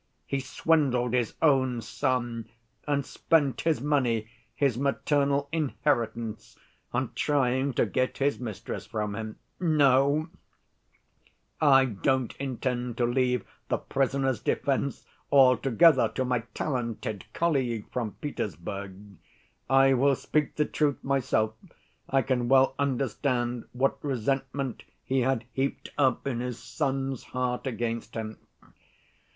He swindled his own son and spent his money, his maternal inheritance, on trying to get his mistress from him. No, I don't intend to leave the prisoner's defense altogether to my talented colleague from Petersburg. I will speak the truth myself, I can well understand what resentment he had heaped up in his son's heart against him.